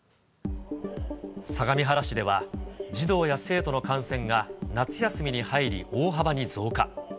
相模原市では、児童や生徒の感染が夏休みに入り、大幅に増加。